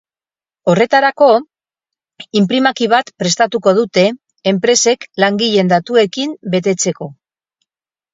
Horretarako, inprimaki bat prestatuko dute, enpresek langileen datuekin betetzeko.